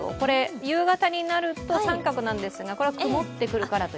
夕方になると△なんですが曇ってくるから？